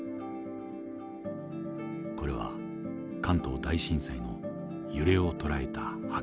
これは関東大震災の揺れを捉えた波形です。